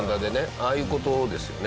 ああいう事ですよね。